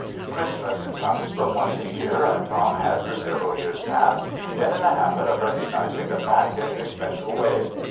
Christmas comes but once a year, and Tom had for several years past been in the habit of recognizing the fact in his special way.